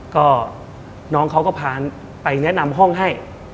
ก็น้องเขาก็พาไปแนะนำห้องให้